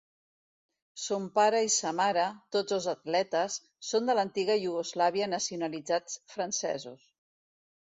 Son pare i sa mare, tots dos atletes, són de l'antiga Iugoslàvia nacionalitzats francesos.